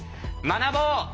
学ぼう！